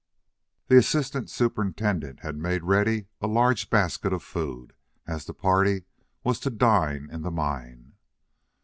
The assistant superintendent had made ready a large basket of food, as the party was to dine in the mine.